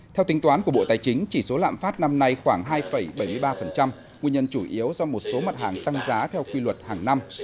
theo tính toán của bộ tài chính chỉ số lạm phát năm nay khoảng hai bảy mươi ba nguyên nhân chủ yếu do một số mặt hàng tăng giá theo quy luật hàng năm